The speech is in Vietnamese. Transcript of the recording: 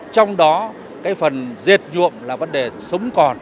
trong đó cái phần diệt dụng là vấn đề sống còn